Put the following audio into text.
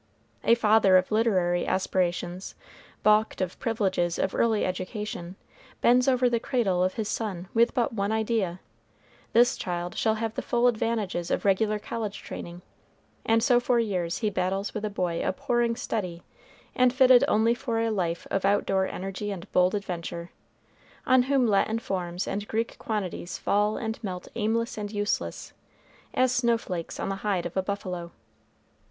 A father of literary aspirations, balked of privileges of early education, bends over the cradle of his son with but one idea. This child shall have the full advantages of regular college training; and so for years he battles with a boy abhorring study, and fitted only for a life of out door energy and bold adventure, on whom Latin forms and Greek quantities fall and melt aimless and useless, as snow flakes on the hide of a buffalo.